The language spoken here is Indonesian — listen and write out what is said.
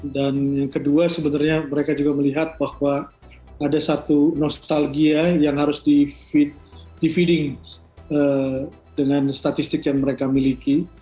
dan yang kedua sebenarnya mereka juga melihat bahwa ada satu nostalgia yang harus di feeding dengan statistik yang mereka miliki